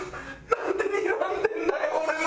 なんでにらんでんだよ俺の事。